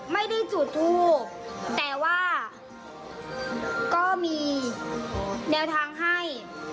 และก็มีตัวเน้นให้